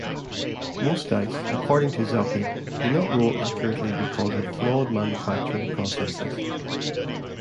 Most dice, according to Zocchi, do not roll accurately because of flawed manufacturing processes.